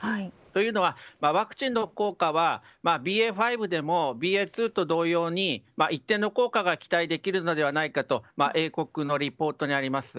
というのは、ワクチンの効果はＢＡ．５でもＢＡ．２と同様に一定の効果が期待できるのではないかと英国のリポートにあります。